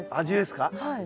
味ですか？